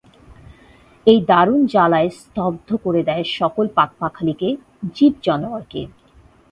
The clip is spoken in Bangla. এই দারুণ জ্বালায় স্তব্ধ করে দেয় সকল পাখপাখালিকে, জীব-জানোয়ারকে।